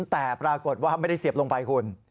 แต่ปรากฏว่าไม่ได้เสียบลงไปคุณ